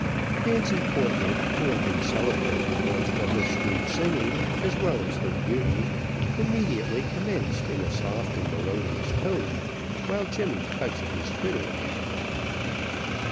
Nancy Corbett who had been celebrated once for her sweet singing, as well as her beauty, immediately commenced in a soft and melodious tone, while Jemmy touched his fiddle.